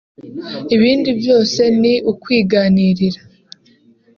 ibindi byose ni ukwiganirira